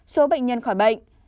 số bệnh nhân khỏi bệnh